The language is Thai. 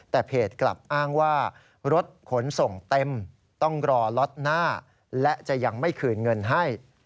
แต่เพจกลับอ้างว่ารถขนส่งเต็มต้องรอล็อตหน้าและจะยังไม่คืนเงินให้